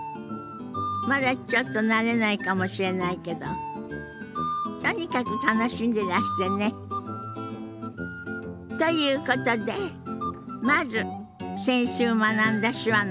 まだちょっと慣れないかもしれないけどとにかく楽しんでらしてね。ということでまず先週学んだ手話の復習から始めましょう。